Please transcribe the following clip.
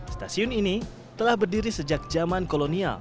stasiun ini telah berdiri sejak zaman kolonial